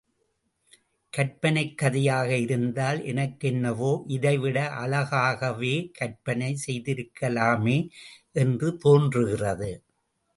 கற்பனைக் கதையாக இருந்தால், எனக்கென்னவோ இதைவிட அழகாகவே கற்பனை செய்திருக்கலாமே என்று தோன்றுகிறது.